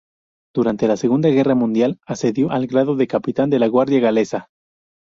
Durante la Segunda Guerra Mundial, ascendió al grado de capitán de la Guardia Galesa.